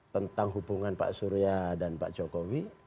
tentang hubungan pak surya dan pak jokowi